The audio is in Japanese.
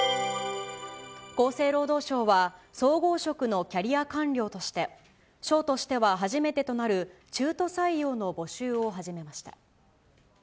厚生労働省は、総合職のキャリア官僚として、省としては初めてとなる中途採用の募集を始めました。